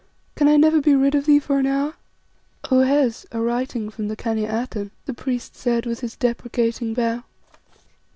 Can I never be rid of thee for an hour?" "O Hes, a writing from the Khania Atene," the priest said with his deprecating bow.